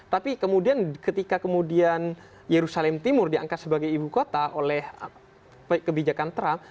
tapi kemudian ketika kemudian yerusalem timur diangkat sebagai ibu kota oleh kebijakan trump